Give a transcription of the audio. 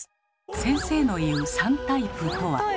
先生の言う３タイプとは。